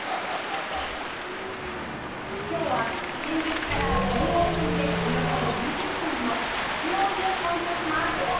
今日は新宿から中央線でおよそ４０分の八王子を散歩します